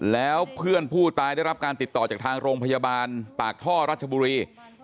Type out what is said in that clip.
แล้วเพื่อนผู้ตายได้รับการติดต่อจากทางโรงพยาบาลปากท่อรัชบุรี